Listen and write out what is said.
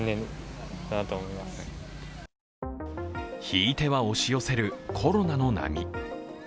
引いては押し寄せるコロナの波。